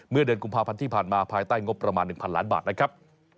เดือนกุมภาพันธ์ที่ผ่านมาภายใต้งบประมาณ๑๐๐ล้านบาทนะครับ